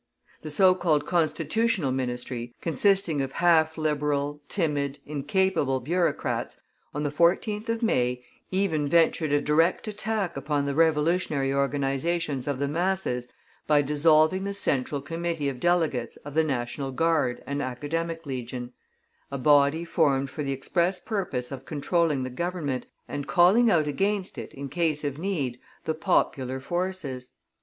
The so called Constitutional ministry, consisting of half Liberal, timid, incapable bureaucrats, on the 14th of May, even ventured a direct attack upon the revolutionary organizations of the masses by dissolving the Central Committee of Delegates of the National Guard and Academic Legion; a body formed for the express purpose of controlling the Government, and calling out against it, in case of need, the popular forces.